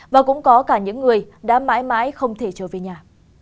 và cũng có cả những người đã mãi mãi không thể trở về nhà